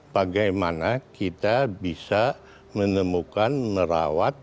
bagaimana kita bisa menemukan merawat